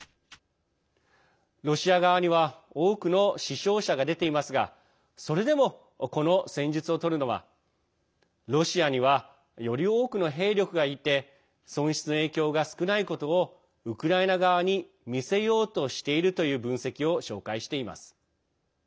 ロシア側には多くの死傷者が出ていますがそれでも、この戦術を取るのはロシアにはより多くの兵力がいて損失の影響が少ないことをウクライナ側に見せようとしているという分析を紹介しています。